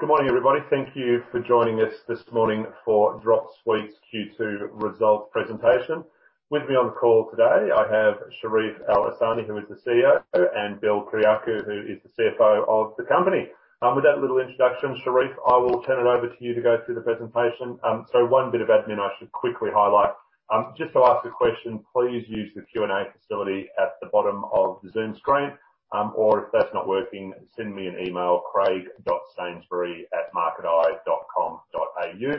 All right. Good morning, everybody. Thank you for joining us this morning for Dropsuite's Q2 results presentation. With me on the call today, I have Charif El-Ansari, who is the CEO, and Bill Kyriacou, who is the CFO of the company. With that little introduction, Charif, I will turn it over to you to go through the presentation. One bit of admin I should quickly highlight. Just to ask a question, please use the Q&A facility at the bottom of the Zoom screen. If that's not working, send me an email, craig.sainsbury@marketeye.com.au,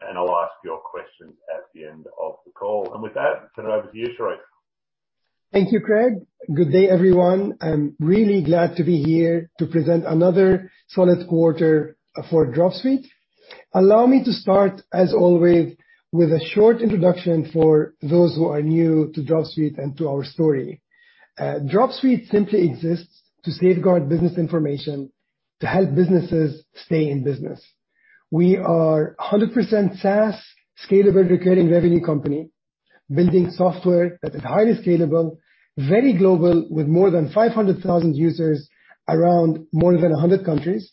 and I'll ask your questions at the end of the call. With that, turn it over to you, Charif. Thank you, Craig. Good day, everyone. I'm really glad to be here to present another solid quarter for Dropsuite. Allow me to start, as always, with a short introduction for those who are new to Dropsuite and to our story. Dropsuite simply exists to safeguard business information to help businesses stay in business. We are 100% SaaS scalable recurring revenue company, building software that is highly scalable, very global, with more than 500,000 users around more than 100 countries.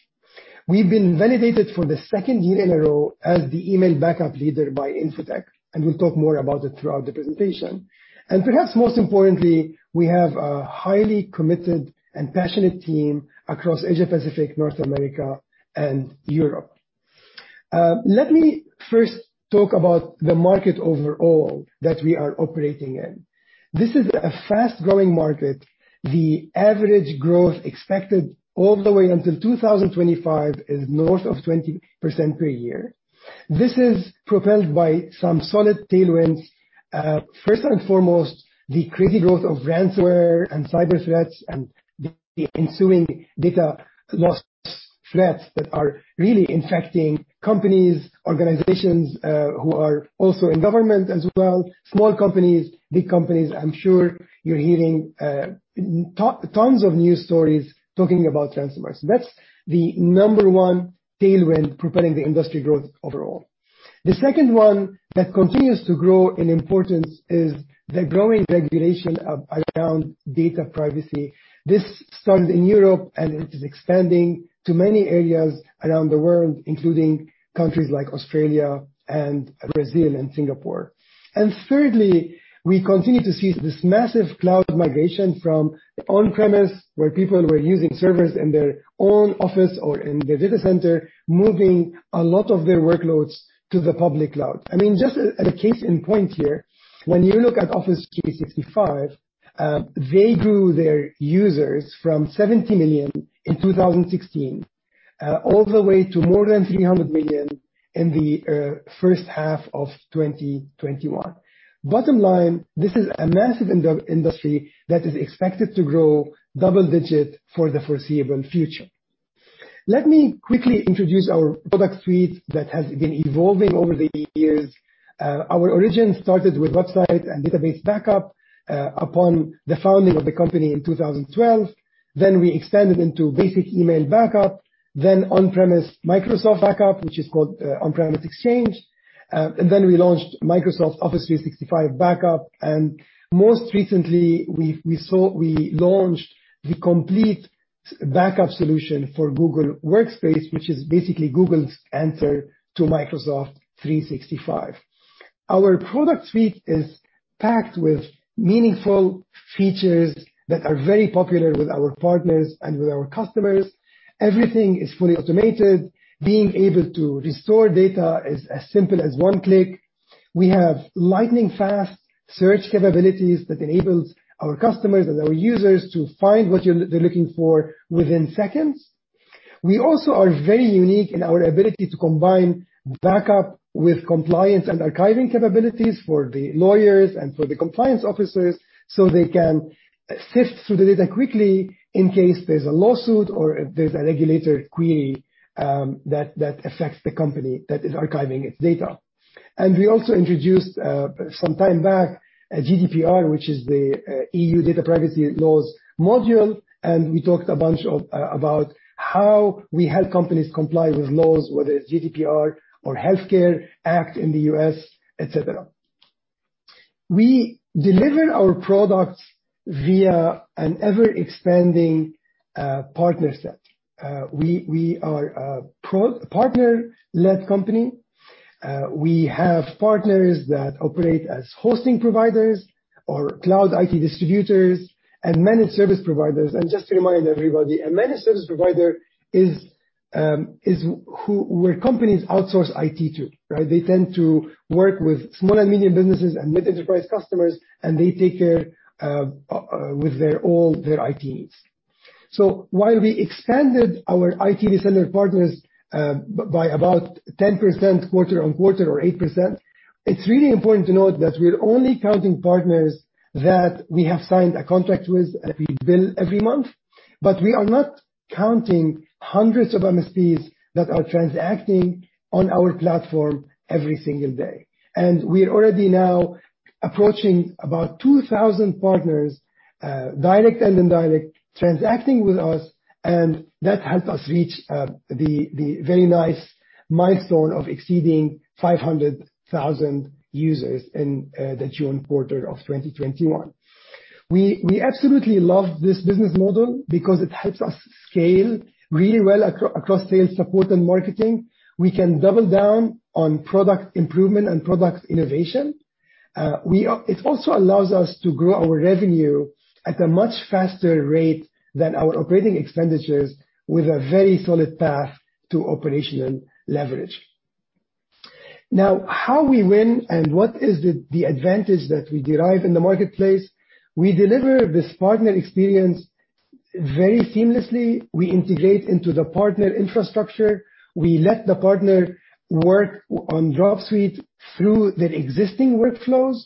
We've been validated for the second year in a row as the email backup leader by Info-Tech. We'll talk more about it throughout the presentation. Perhaps most importantly, we have a highly committed and passionate team across Asia-Pacific, North America, and Europe. Let me first talk about the market overall that we are operating in. This is a fast-growing market. The average growth expected all the way until 2025 is north of 20% per year. This is propelled by some solid tailwinds. First and foremost, the crazy growth of ransomware and cyber threats and the ensuing data loss threats that are really infecting companies, organizations who are also in government as well, small companies, big companies. I'm sure you're hearing tons of news stories talking about ransomware. That's the number one tailwind propelling the industry growth overall. The second one that continues to grow in importance is the growing regulation around data privacy. This started in Europe, and it is expanding to many areas around the world, including countries like Australia and Brazil and Singapore. Thirdly, we continue to see this massive cloud migration from on-premise, where people were using servers in their own office or in their data center, moving a lot of their workloads to the public cloud. Just as a case in point here, when you look at Office 365, they grew their users from 70 million in 2016, all the way to more than 300 million in the first half of 2021. Bottom line, this is a massive industry that is expected to grow double-digit for the foreseeable future. Let me quickly introduce our product suite that has been evolving over the years. Our origin started with website and database backup, upon the founding of the company in 2012. Then we expanded into basic email backup, then on-premise Microsoft backup, which is called on-premise Exchange. Then we launched Microsoft Office 365 Backup. Most recently, we launched the complete backup solution for Google Workspace, which is basically Google's answer to Microsoft 365. Our product suite is packed with meaningful features that are very popular with our partners and with our customers. Everything is fully automated. Being able to restore data is as simple as one click. We have lightning-fast search capabilities that enables our customers and our users to find what they're looking for within seconds. We also are very unique in our ability to combine backup with compliance and archiving capabilities for the lawyers and for the compliance officers, so they can sift through the data quickly in case there's a lawsuit or if there's a regulator query that affects the company that is archiving its data. We also introduced, some time back, GDPR, which is the EU data privacy laws module, and we talked a bunch about how we help companies comply with laws, whether it's GDPR or Healthcare Act in the U.S., et cetera. We deliver our products via an ever-expanding partner set. We are a partner-led company. We have partners that operate as hosting providers or cloud IT distributors and managed service providers. Just to remind everybody, a managed service provider is where companies outsource IT to, right? They tend to work with small and medium businesses and mid-enterprise customers, and they take care with all their IT needs. While we expanded our IT reseller partners by about 10% quarter-over-quarter or 8%, it's really important to note that we're only counting partners that we have signed a contract with and we bill every month. We are not counting hundreds of MSPs that are transacting on our platform every single day. We're already now approaching about 2,000 partners, direct and indirect, transacting with us, and that helped us reach the very nice milestone of exceeding 500,000 users in the June quarter of 2021. We absolutely love this business model because it helps us scale really well across sales support and marketing. We can double down on product improvement and product innovation. It also allows us to grow our revenue at a much faster rate than our operating expenditures, with a very solid path to operational leverage. Now, how we win and what is the advantage that we derive in the marketplace, we deliver this partner experience very seamlessly. We integrate into the partner infrastructure. We let the partner work on Dropsuite through their existing workflows,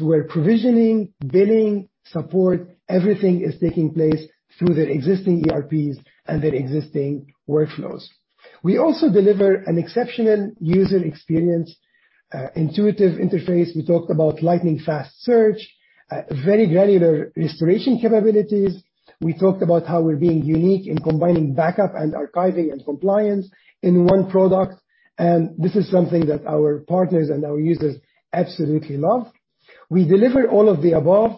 where provisioning, billing, support, everything is taking place through their existing ERPs and their existing workflows. We also deliver an exceptional user experience, intuitive interface. We talked about lightning-fast search, very granular restoration capabilities. We talked about how we're being unique in combining backup and archiving and compliance in one product. This is something that our partners and our users absolutely love. We deliver all of the above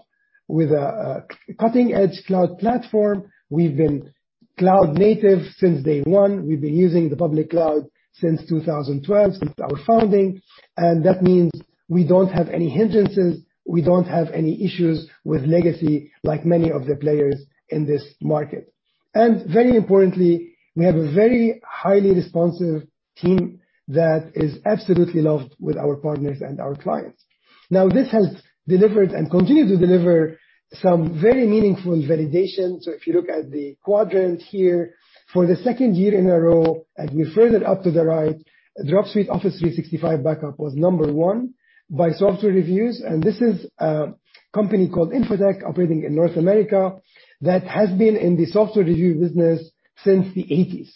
with a cutting-edge cloud platform. We've been cloud native since day one. We've been using the public cloud since 2012, since our founding. That means we don't have any hindrances. We don't have any issues with legacy like many of the players in this market. Very importantly, we have a very highly responsive team that is absolutely loved with our partners and our clients. Now, this has delivered and continues to deliver some very meaningful validation. If you look at the quadrant here, for the second year in a row, as we further up to the right, Dropsuite Office 365 Backup was number one by SoftwareReviews, and this is a company called Info-Tech operating in North America that has been in the software review business since the 1980s.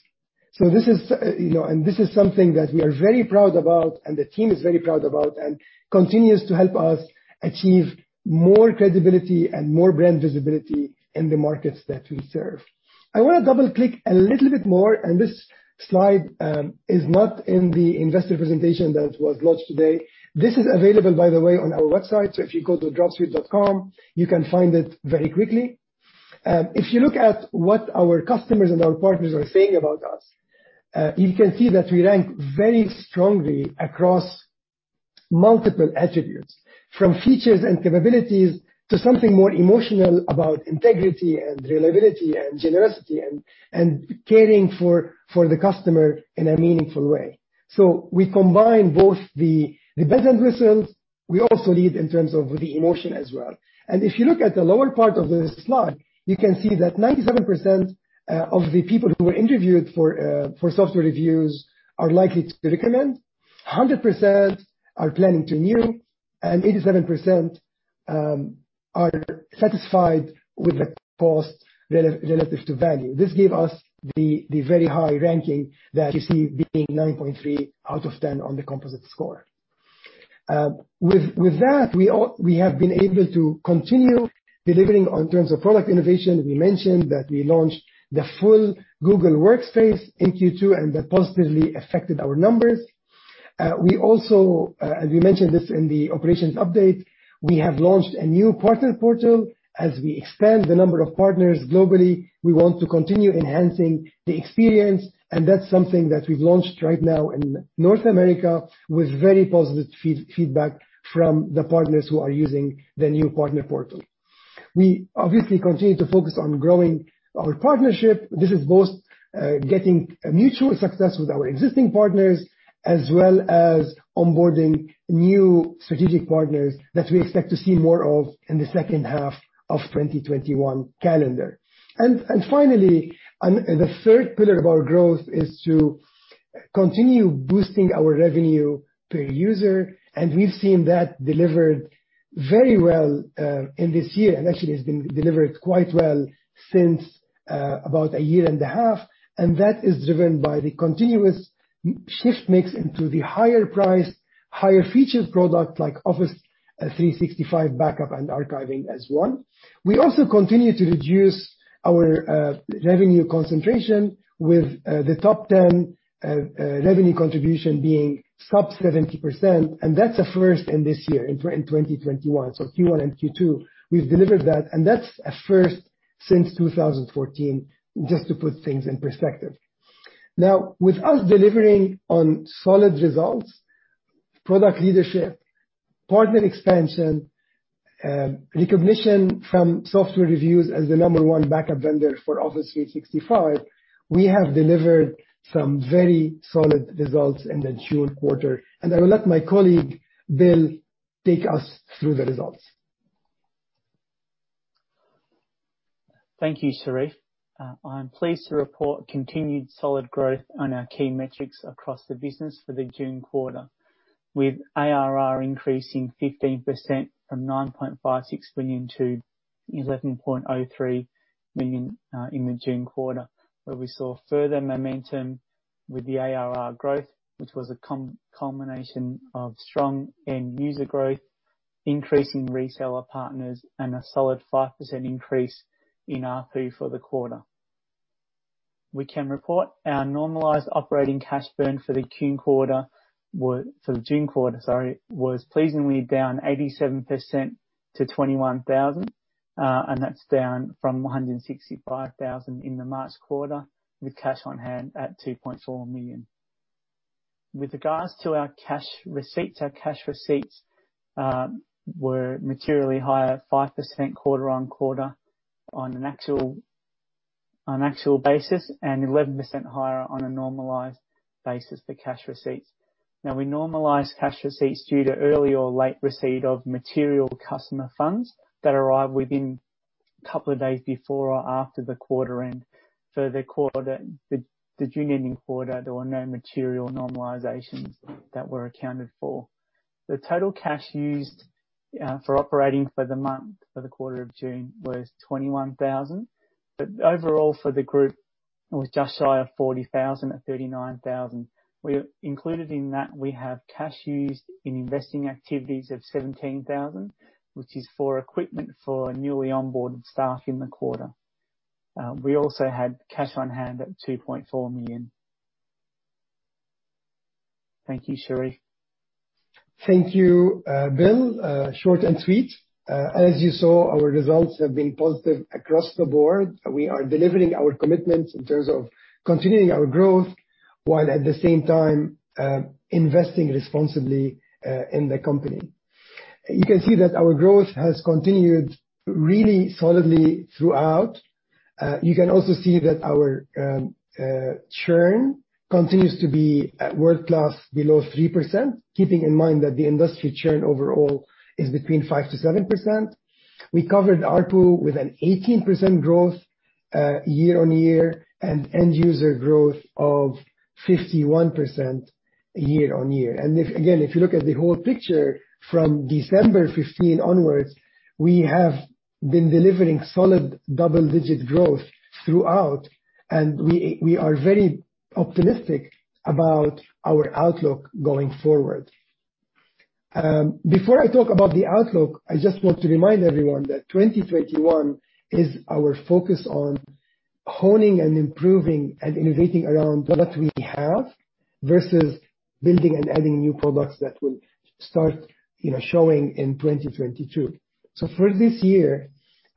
This is something that we are very proud about, and the team is very proud about, and continues to help us achieve more credibility and more brand visibility in the markets that we serve. I want to double-click a little bit more, and this slide is not in the investor presentation that was launched today. This is available, by the way, on our website. If you go to dropsuite.com, you can find it very quickly. If you look at what our customers and our partners are saying about us, you can see that we rank very strongly across multiple attributes, from features and capabilities to something more emotional about integrity and reliability and generosity and caring for the customer in a meaningful way. We combine both the best end results. We also lead in terms of the emotion as well. If you look at the lower part of the slide, you can see that 97% of the people who were interviewed for SoftwareReviews are likely to recommend, 100% are planning to renew, and 87% are satisfied with the cost relative to value. This gave us the very high ranking that you see being 9.3 out of 10 on the composite score. With that, we have been able to continue delivering on terms of product innovation. We mentioned that we launched the full Google Workspace in Q2, and that positively affected our numbers. We also, as we mentioned this in the operations update, have launched a new partner portal. As we expand the number of partners globally, we want to continue enhancing the experience, and that's something that we've launched right now in North America with very positive feedback from the partners who are using the new partner portal. We obviously continue to focus on growing our partnership. This is both getting mutual success with our existing partners, as well as onboarding new strategic partners that we expect to see more of in the second half of 2021 calendar. Finally, the third pillar of our growth is to continue boosting our revenue per user. We've seen that delivered very well in this year. Actually, it's been delivered quite well since about a year and a half. That is driven by the continuous shift mix into the higher priced, higher featured product like Office 365 Backup and archiving as one. We also continue to reduce our revenue concentration with the top 10 revenue contribution being sub 70%. That's a first in this year, in 2021. Q1 and Q2, we've delivered that. That's a first since 2014, just to put things in perspective. Now, with us delivering on solid results, product leadership, partner expansion, recognition from SoftwareReviews as the number one backup vendor for Office 365, we have delivered some very solid results in the June quarter. I will let my colleague, Bill, take us through the results. Thank you, Charif. I'm pleased to report continued solid growth on our key metrics across the business for the June quarter, with ARR increasing 15% from $9.56 million-$11.03 million in the June quarter, where we saw further momentum with the ARR growth, which was a culmination of strong end user growth, increasing reseller partners, and a solid 5% increase in ARPU for the quarter. We can report our normalized operating cash burn for the June quarter, sorry, was pleasingly down 87% to $21,000. That's down from $165,000 in the March quarter, with cash on hand at $2.4 million. With regards to our cash receipts, our cash receipts were materially higher, 5% quarter-on-quarter on an actual basis and 11% higher on a normalized basis for cash receipt. We normalize cash receipts due to early or late receipt of material customer funds that arrive within a couple of days before or after the quarter end. For the June ending quarter, there were no material normalizations that were accounted for. The total cash used for operating for the month for the quarter of June was $21,000, overall for the group, it was just shy of $40,000, $39,000. Included in that, we have cash used in investing activities of $17,000, which is for equipment for newly onboarded staff in the quarter. We also had cash on hand at $2.4 million. Thank you, Charif. Thank you, Bill. Short and sweet. As you saw, our results have been positive across the board. We are delivering our commitments in terms of continuing our growth while at the same time investing responsibly in the company. You can see that our growth has continued really solidly throughout. You can also see that our churn continues to be at world-class below 3%, keeping in mind that the industry churn overall is between 5%-7%. We covered ARPU with an 18% growth year-on-year and end user growth of 51% year-on-year. Again, if you look at the whole picture from December 2015 onwards, we have been delivering solid double-digit growth throughout, and we are very optimistic about our outlook going forward. Before I talk about the outlook, I just want to remind everyone that 2021 is our focus on honing and improving and innovating around what we have versus building and adding new products that will start showing in 2022. For this year,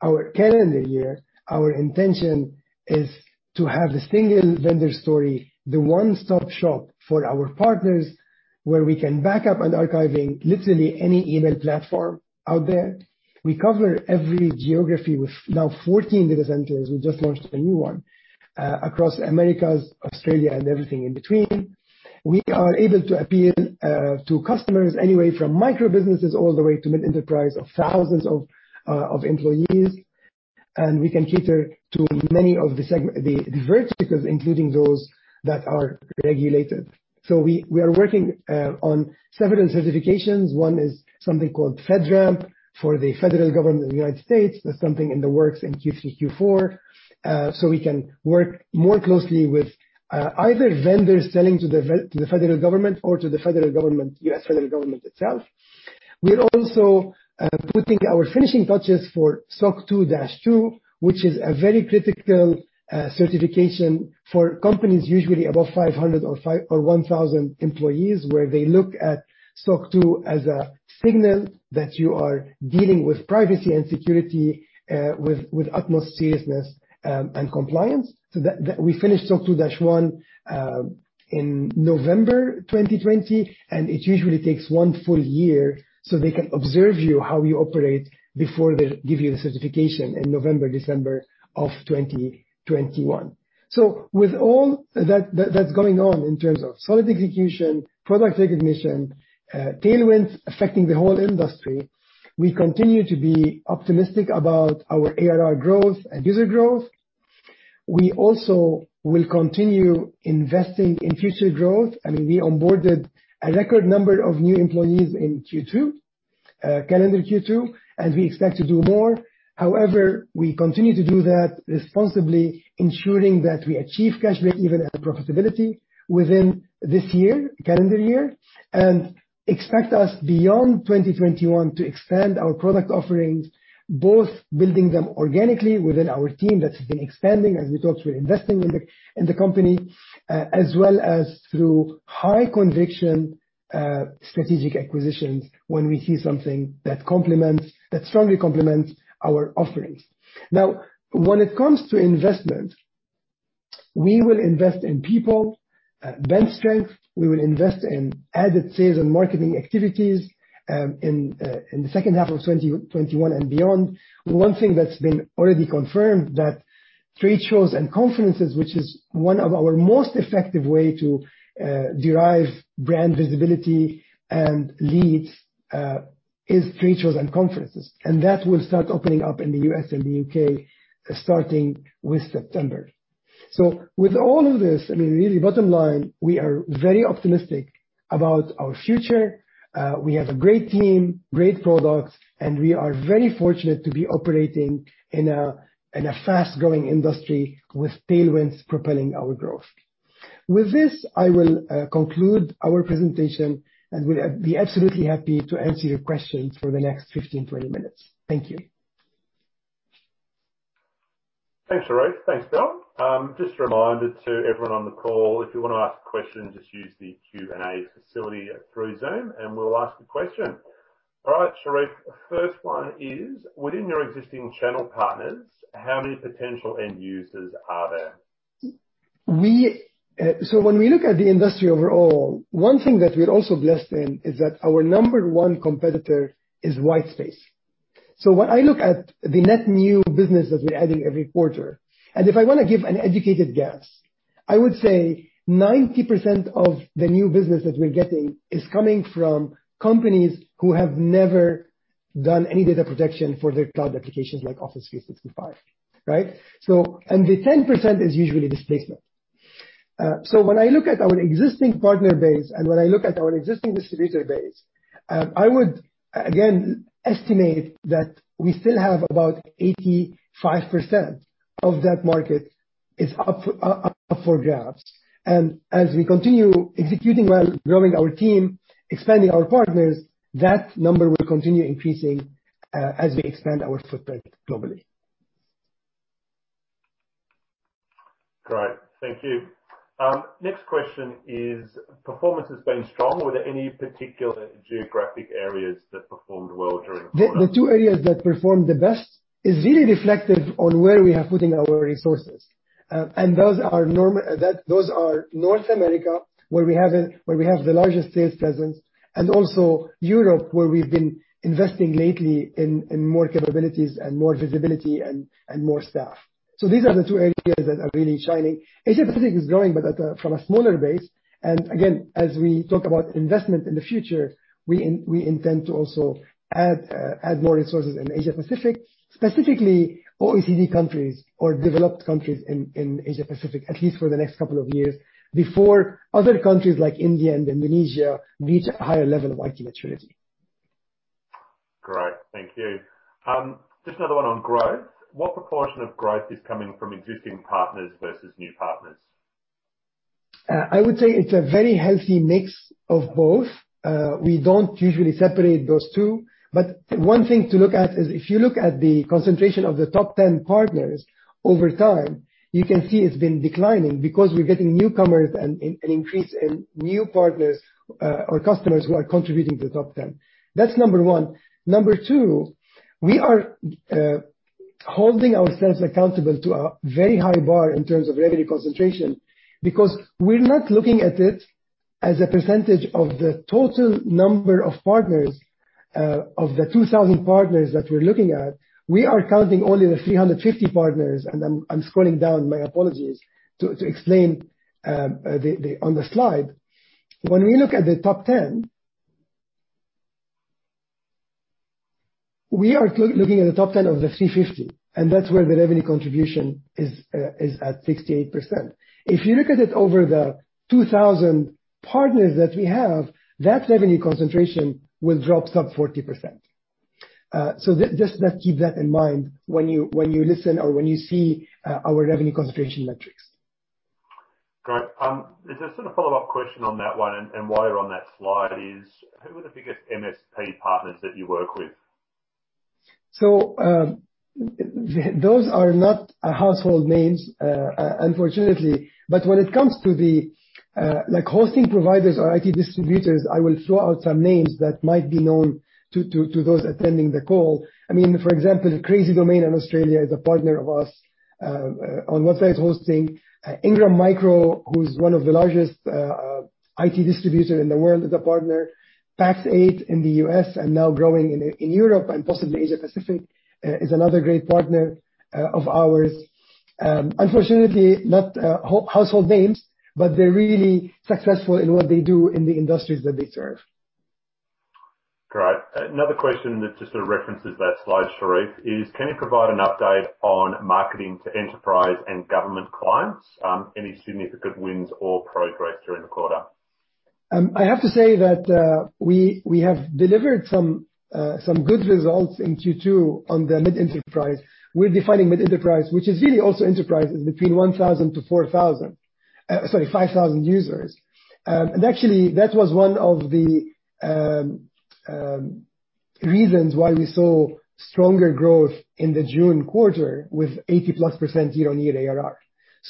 our calendar year, our intention is to have the single vendor story, the one-stop shop for our partners, where we can back up and archiving literally any email platform out there. We cover every geography with now 14 data centers. We just launched a new one across Americas, Australia, and everything in between. We are able to appeal to customers anywhere from micro businesses all the way to mid enterprise of thousands of employees. We can cater to many of the verticals, including those that are regulated. We are working on several certifications. One is something called FedRAMP for the federal government of the U.S. That's something in the works in Q3, Q4, so we can work more closely with either vendors selling to the federal government or to the federal government, U.S. federal government itself. We're also putting our finishing touches for SOC Two-Two, which is a very critical certification for companies usually above 500 or 1,000 employees, where they look at SOC Two as a signal that you are dealing with privacy and security with utmost seriousness and compliance. We finished SOC Two-One in November 2020, and it usually takes one full year so they can observe you, how you operate before they give you the certification in November, December of 2021. With all that's going on in terms of solid execution, product recognition, tailwinds affecting the whole industry, we continue to be optimistic about our ARR growth, end user growth. We also will continue investing in future growth. We onboarded a record number of new employees in Q2, calendar Q2, and we expect to do more. However, we continue to do that responsibly, ensuring that we achieve cash break-even and profitability within this year, calendar year. Expect us beyond 2021 to expand our product offerings, both building them organically within our team that has been expanding as we talked, we're investing in the company, as well as through high conviction strategic acquisitions when we see something that strongly complements our offerings. When it comes to investment, we will invest in people, bench strength. We will invest in added sales and marketing activities in the second half of 2021 and beyond. One thing that's been already confirmed that trade shows and conferences, which is one of our most effective way to derive brand visibility and leads is trade shows and conferences. That will start opening up in the U.S. and the U.K. starting with September. With all of this, really bottom line, we are very optimistic about our future. We have a great team, great products, and we are very fortunate to be operating in a fast-growing industry with tailwinds propelling our growth. With this, I will conclude our presentation, and will be absolutely happy to answer your questions for the next 15 minutes, 20 minutes. Thank you. Thanks, Charif. Thanks, Bill. Just a reminder to everyone on the call, if you want to ask a question, just use the Q&A facility through Zoom, and we'll ask the question. All right, Charif, first one is: within your existing channel partners, how many potential end users are there? When we look at the industry overall, one thing that we're also blessed in is that our number one` competitor is white space. When I look at the net new business that we're adding every quarter, and if I want to give an educated guess, I would say 90% of the new business that we're getting is coming from companies who have never done any data protection for their cloud applications like Office 365, right? The 10% is usually displacement. When I look at our existing partner base, and when I look at our existing distributor base, I would, again, estimate that we still have about 85% of that market is up for grabs. As we continue executing well, growing our team, expanding our partners, that number will continue increasing as we expand our footprint globally. Great. Thank you. Next question is, performance has been strong. Were there any particular geographic areas that performed well during the quarter? The two areas that performed the best is really reflective on where we are putting our resources. Those are North America, where we have the largest sales presence, and also Europe, where we've been investing lately in more capabilities and more visibility and more staff. These are the two areas that are really shining. Asia-Pacific is growing, but from a smaller base. Again, as we talk about investment in the future, we intend to also add more resources in Asia-Pacific, specifically OECD countries or developed countries in Asia-Pacific, at least for the next couple of years, before other countries like India and Indonesia reach a higher level of IT maturity. Great. Thank you. Just another one on growth. What proportion of growth is coming from existing partners versus new partners? I would say it's a very healthy mix of both. We don't usually separate those two. One thing to look at is, if you look at the concentration of the top 10 partners over time, you can see it's been declining because we're getting newcomers and an increase in new partners or customers who are contributing to the top 10. That's number one. Number two, we are holding ourselves accountable to a very high bar in terms of revenue concentration because we're not looking at it as a percentage of the total number of partners. Of the 2,000 partners that we're looking at, we are counting only the 350 partners. I'm scrolling down, my apologies, to explain on the slide. When we look at the top 10, we are looking at the top 10 of the 350, and that's where the revenue contribution is at, 68%. If you look at it over the 2,000 partners that we have, that revenue concentration will drop sub 40%. Just keep that in mind when you listen or when you see our revenue concentration metrics. Great. As a sort of follow-up question on that one, and while you're on that slide is, who are the biggest MSP partners that you work with? Those are not household names, unfortunately. When it comes to the hosting providers or IT distributors, I will throw out some names that might be known to those attending the call. For example, Crazy Domains in Australia is a partner of ours on website hosting. Ingram Micro, who's one of the largest IT distributor in the world, is a partner. Pax8 in the U.S. and now growing in Europe and possibly Asia-Pacific is another great partner of ours. Unfortunately, not household names, but they're really successful in what they do in the industries that they serve. Great. Another question that just sort of references that slide, Charif, is can you provide an update on marketing to enterprise and government clients? Any significant wins or progress during the quarter? I have to say that we have delivered some good results in Q2 on the mid-enterprise. We're defining mid-enterprise, which is really also enterprises between 1,000 to 4,000, sorry, 5,000 users. Actually, that was one of the reasons why we saw stronger growth in the June quarter with 80%+ year-on-year ARR.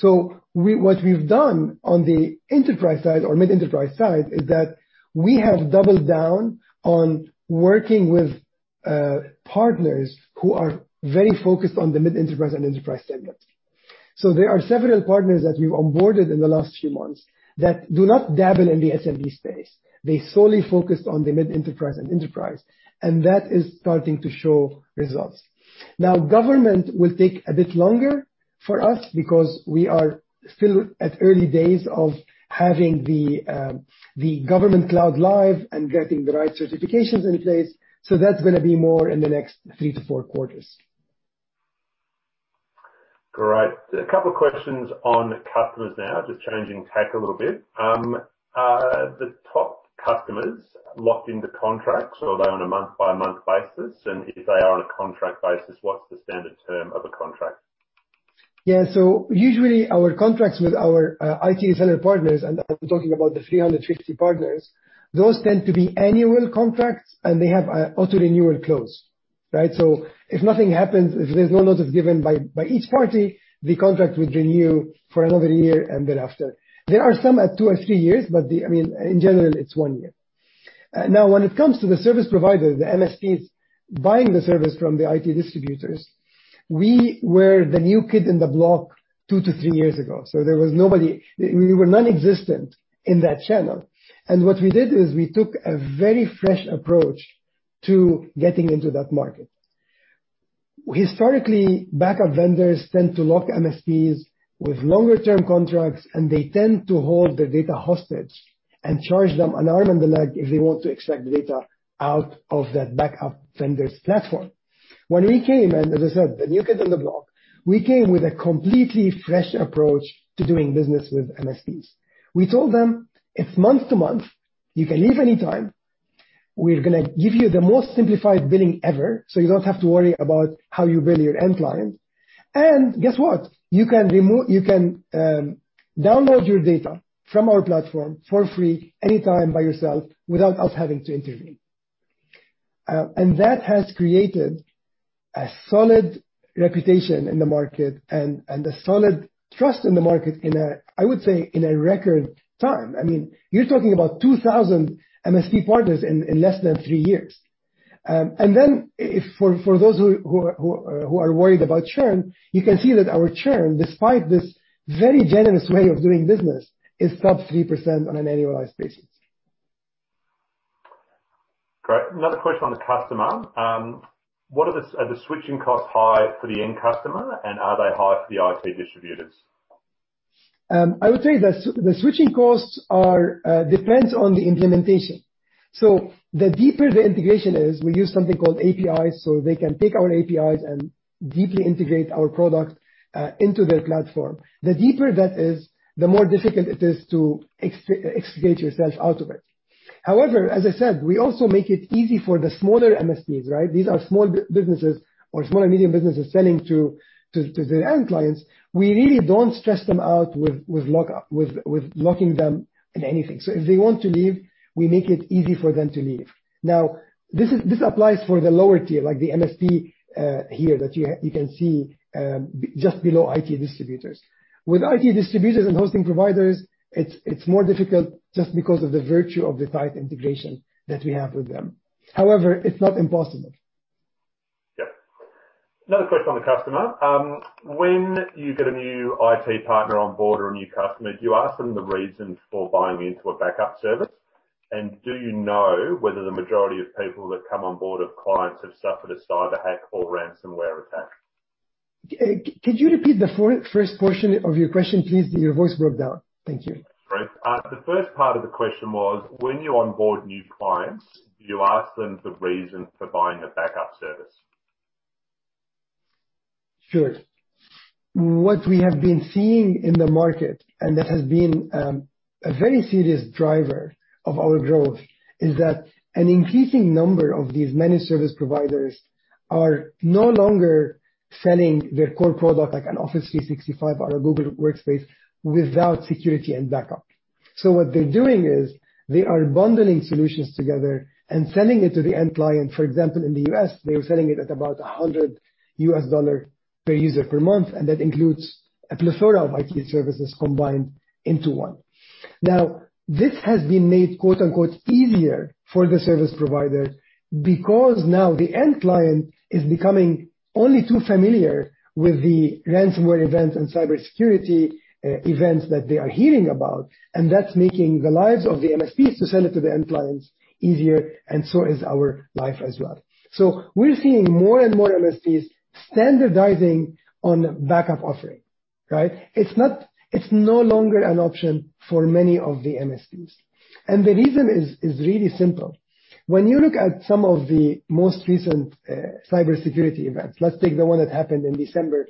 What we've done on the enterprise side or mid-enterprise side is that we have doubled down on working with partners who are very focused on the mid-enterprise and enterprise segment. There are several partners that we've onboarded in the last few months that do not dabble in the SMB space. They solely focus on the mid-enterprise and enterprise, and that is starting to show results. Now, government will take a bit longer for us because we are still at early days of having the government cloud live and getting the right certifications in place. That's going to be more in the next three to four quarters. Great. A couple questions on customers now, just changing tack a little bit. Are the top customers locked into contracts, or are they on a month-by-month basis? If they are on a contract basis, what's the standard term of a contract? Usually our contracts with our IT seller partners, and I am talking about the 350 partners, those tend to be annual contracts, and they have a auto-renewal clause, right? If nothing happens, if there is no notice given by each party, the contract will renew for another year and thereafter. There are some at two or three years, but in general, it is one year. When it comes to the service provider, the MSPs buying the service from the IT distributors, we were the new kid in the block two to three years ago. There was nobody. We were nonexistent in that channel. What we did is we took a very fresh approach to getting into that market. Historically, backup vendors tend to lock MSPs with longer-term contracts, and they tend to hold the data hostage and charge them an arm and the leg if they want to extract data out of that backup vendor's platform. When we came, and as I said, the new kid in the block, we came with a completely fresh approach to doing business with MSPs. We told them, "It's month-to-month, you can leave anytime. We're going to give you the most simplified billing ever, so you don't have to worry about how you bill your end client. Guess what? You can download your data from our platform for free anytime by yourself without us having to intervene." That has created a solid reputation in the market and a solid trust in the market in a, I would say, in a record time. I mean, you're talking about 2,000 MSP partners in less than three years. Then for those who are worried about churn, you can see that our churn, despite this very generous way of doing business, is sub 3% on an annualized basis. Great. Another question on the customer. Are the switching costs high for the end customer, and are they high for the IT distributors? I would say the switching costs depends on the implementation. The deeper the integration is, we use something called APIs, so they can take our APIs and deeply integrate our product into their platform. The deeper that is, the more difficult it is to extricate yourself out of it. However, as I said, we also make it easy for the smaller MSPs, right? These are small businesses or small and medium businesses selling to their end clients. We really don't stress them out with locking them in anything. If they want to leave, we make it easy for them to leave. This applies for the lower tier, like the MSP here that you can see, just below IT distributors. With IT distributors and hosting providers, it's more difficult just because of the virtue of the tight integration that we have with them. However, it's not impossible. Yeah. Another question on the customer. When you get a new IT partner on board or a new customer, do you ask them the reason for buying into a backup service? Do you know whether the majority of people that come on board of clients have suffered a cyber hack or ransomware attack? Could you repeat the first portion of your question, please? Your voice broke down. Thank you. Right. The first part of the question was, when you onboard new clients, do you ask them the reason for buying a backup service? Sure. What we have been seeing in the market, and that has been a very serious driver of our growth, is that an increasing number of these managed service providers are no longer selling their core product, like an Office 365 or a Google Workspace, without security and backup. What they're doing is they are bundling solutions together and selling it to the end client. For example, in the U.S., they were selling it at about $100 per user per month, and that includes a plethora of IT services combined into one. Now, this has been made, quote unquote, easier for the service provider because, now, the end client is becoming only too familiar with the ransomware events and cybersecurity events that they are hearing about, and that's making the lives of the MSPs to sell it to the end clients easier, and so is our life as well. We're seeing more and more MSPs standardizing on backup offering, right? It's no longer an option for many of the MSPs. The reason is really simple. When you look at some of the most recent cybersecurity events, let's take the one that happened in December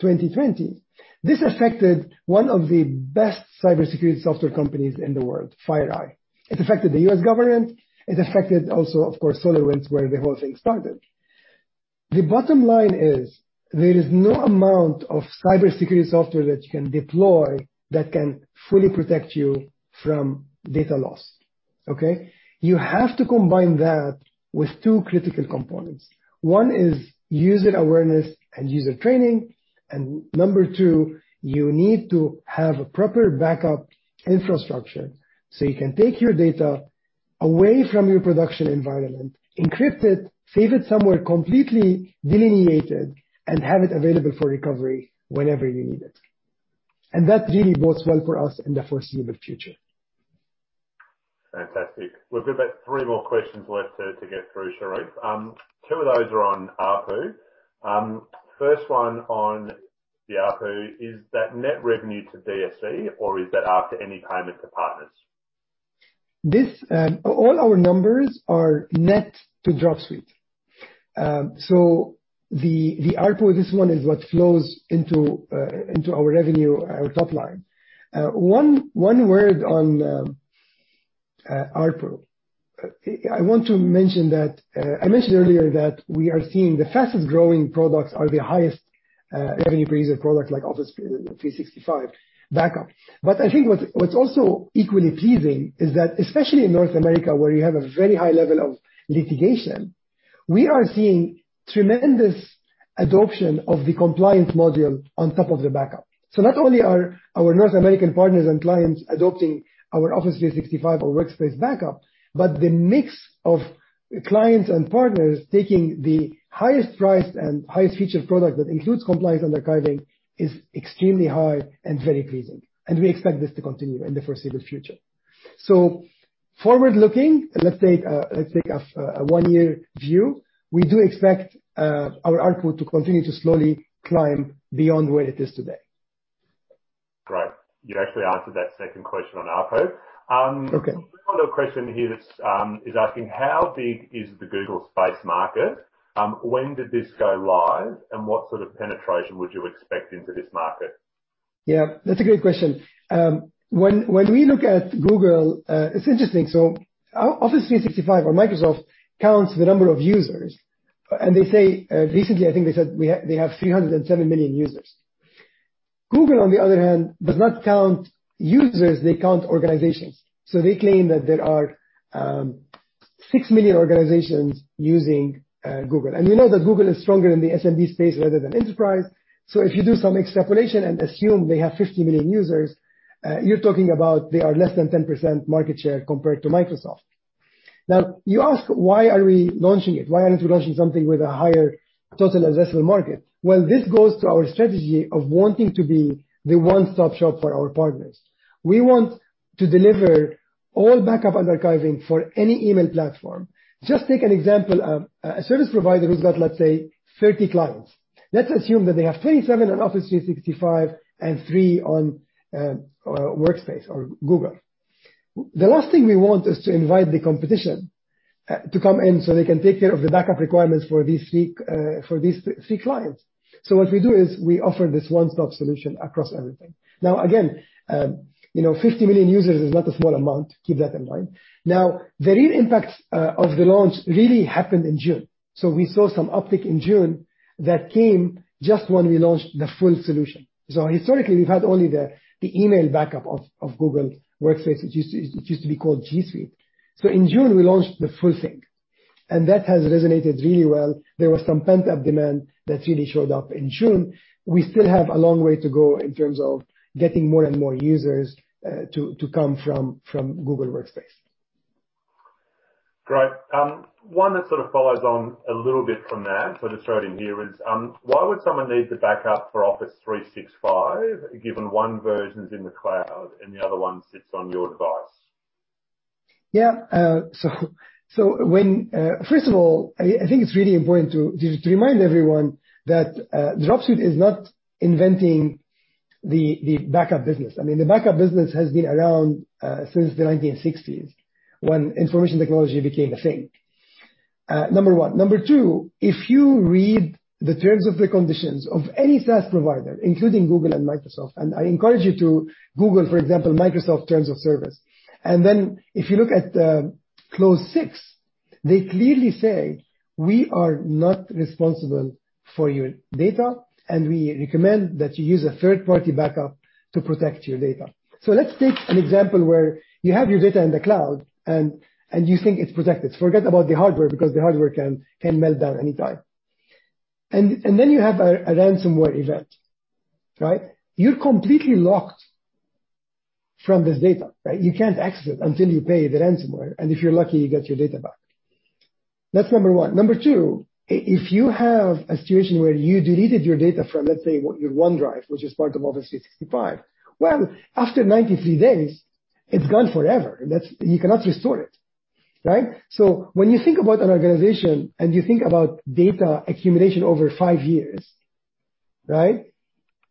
2020. This affected one of the best cybersecurity software companies in the world, FireEye. It affected the U.S. government. It affected also, of course, SolarWinds, where the whole thing started. The bottom line is, there is no amount of cybersecurity software that you can deploy that can fully protect you from data loss. Okay? You have to combine that with two critical components. One is user awareness and user training. Number two, you need to have a proper backup infrastructure, so you can take your data away from your production environment, encrypt it, save it somewhere completely delineated, and have it available for recovery whenever you need it. That really bodes well for us in the foreseeable future. Fantastic. We've got about three more questions left to get through, Charif. Two of those are on ARPU. First one on the ARPU, is that net revenue to Dropsuite or is that after any payment to partners? All our numbers are net to Dropsuite. The ARPU, this one is what flows into our revenue, our top line. One word on our product. I mentioned earlier that we are seeing the fastest-growing products are the highest revenue-producing products like Office 365 Backup. I think what's also equally pleasing is that, especially in North America, where you have a very high level of litigation, we are seeing tremendous adoption of the compliance module on top of the backup. Not only are our North American partners and clients adopting our Office 365 or Google Workspace Backup, but the mix of clients and partners taking the highest priced and highest featured product that includes compliance and archiving is extremely high and very pleasing, and we expect this to continue in the foreseeable future. Forward-looking, let's take a one-year view. We do expect our ARPU to continue to slowly climb beyond where it is today. Great. You actually answered that second question on ARPU. Okay. One other question here that's asking, how big is the Google Workspace market? When did this go live, and what sort of penetration would you expect into this market? Yeah, that's a great question. When we look at Google, it's interesting. Office 365 or Microsoft counts the number of users, and recently I think they said they have 307 million users. Google, on the other hand, does not count users, they count organizations. They claim that there are 6 million organizations using Google. We know that Google is stronger in the SMB space rather than enterprise, if you do some extrapolation and assume they have 50 million users, you're talking about they are less than 10% market share compared to Microsoft. Now, you ask, why are we launching it? Why aren't we launching something with a higher total addressable market? This goes to our strategy of wanting to be the one-stop shop for our partners. We want to deliver all backup and archiving for any email platform. Just take an example of a service provider who's got, let's say, 30 clients. Let's assume that they have 27 on Office 365 and three on Workspace or Google. The last thing we want is to invite the competition to come in so they can take care of the backup requirements for these three clients. What we do is we offer this one-stop solution across everything. Again, 50 million users is not a small amount. Keep that in mind. Now, the real impact of the launch really happened in June. We saw some uptick in June that came just when we launched the full solution. Historically, we've had only the email backup of Google Workspace. It used to be called G Suite. In June, we launched the full thing, and that has resonated really well. There was some pent-up demand that really showed up in June. We still have a long way to go in terms of getting more and more users to come from Google Workspace. Great. One that sort of follows on a little bit from that, so I'll just throw it in here, is why would someone need the backup for Office 365, given one version's in the cloud and the other one sits on your device? First of all, I think it's really important to remind everyone that Dropsuite is not inventing the backup business. I mean, the backup business has been around since the 1960s when information technology became a thing. Number one. Number two, if you read the terms of the conditions of any SaaS provider, including Google and Microsoft, and I encourage you to Google, for example, Microsoft terms of service. If you look at clause six, they clearly say, "We are not responsible for your data, and we recommend that you use a third-party backup to protect your data." Let's take an example where you have your data in the cloud and you think it's protected. Forget about the hardware, because the hardware can melt down anytime. You have a ransomware event, right? You're completely locked from this data, right? You can't access it until you pay the ransomware, and if you're lucky, you get your data back. That's number one. Number two, if you have a situation where you deleted your data from, let's say, your OneDrive, which is part of Office 365. Well, after 93 days, it's gone forever, and you cannot restore it, right? When you think about an organization and you think about data accumulation over five years, right?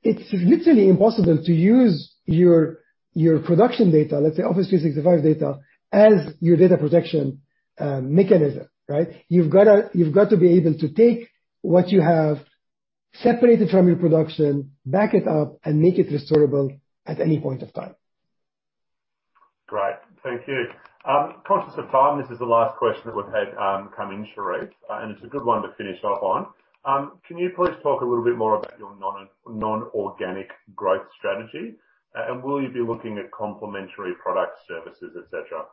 It's literally impossible to use your production data, let's say Office 365 data, as your data protection mechanism, right? You've got to be able to take what you have, separate it from your production, back it up, and make it restorable at any point of time. Great. Thank you. Conscious of time, this is the last question that we've had come in, Charif, and it's a good one to finish up on. Can you please talk a little bit more about your non-organic growth strategy? Will you be looking at complementary product services, et cetera?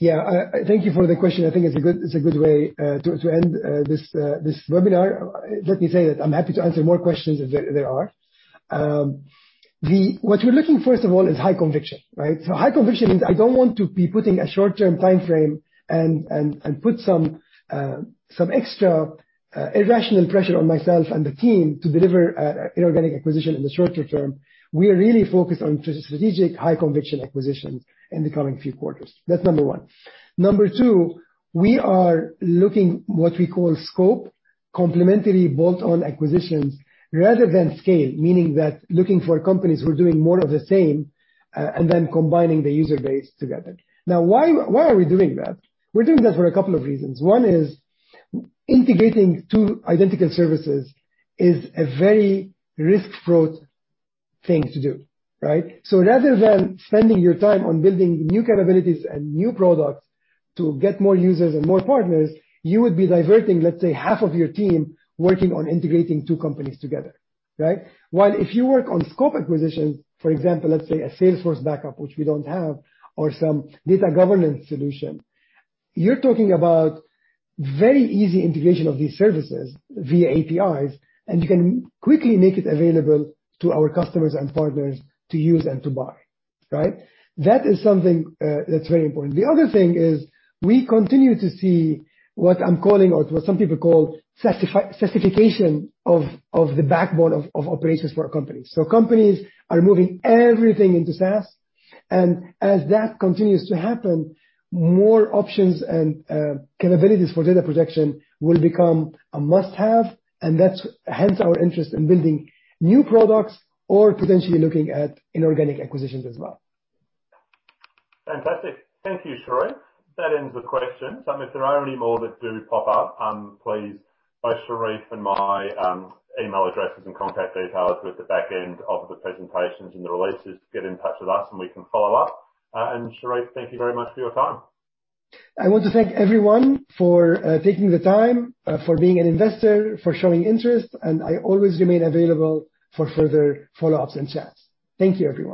Yeah. Thank you for the question. I think it's a good way to end this webinar. Let me say that I'm happy to answer more questions if there are. What we're looking, first of all, is high conviction, right? High conviction means I don't want to be putting a short-term timeframe and put some extra irrational pressure on myself and the team to deliver inorganic acquisition in the shorter term. We are really focused on strategic high-conviction acquisitions in the coming few quarters. That's number one. Number two, we are looking what we call scope, complementary bolt-on acquisitions rather than scale, meaning that looking for companies who are doing more of the same, and then combining the user base together. Now, why are we doing that? We're doing that for a couple of reasons. One is integrating two identical services is a very risk-fraught thing to do, right? Rather than spending your time on building new capabilities and new products to get more users and more partners, you would be diverting, let's say, half of your team working on integrating two companies together, right? If you work on scope acquisition, for example, let's say a Salesforce backup, which we don't have, or some data governance solution, you're talking about very easy integration of these services via APIs, and you can quickly make it available to our customers and partners to use and to buy, right? That is something that's very important. The other thing is we continue to see what I'm calling, or what some people call SaaSification of the backbone of operations for a company. Companies are moving everything into SaaS, and as that continues to happen, more options and capabilities for data protection will become a must-have, and hence our interest in building new products or potentially looking at inorganic acquisitions as well. Fantastic. Thank you, Charif. That ends the questions. If there are any more that do pop up, please, both Charif and my email addresses and contact details are at the back end of the presentations and the releases. Get in touch with us and we can follow up. Charif, thank you very much for your time. I want to thank everyone for taking the time, for being an investor, for showing interest, and I always remain available for further follow-ups and chats. Thank you, everyone.